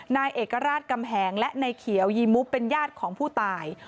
นายเอกราชกำแหงและนายเขียวยีมุกเป็นญาติของผู้ตาย